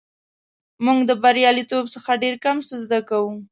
موږ د بریالیتوب څخه ډېر کم څه زده کوو.